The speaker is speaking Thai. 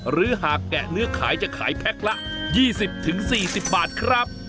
หรือหากแกะเนื้อขายจะขายแพ็คละ๒๐๔๐บาทครับ